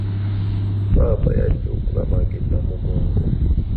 Ppaapa yajja okulamaga e Namugongo.